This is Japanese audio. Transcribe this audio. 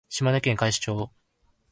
島根県海士町